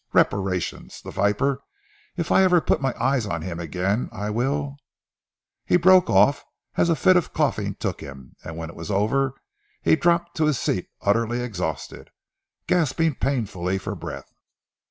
"Reparation! The viper! If ever I put eyes on him again, I will " he broke off as a fit of coughing took him, and when it was over he dropped to his seat utterly exhausted, gasping painfully for breath.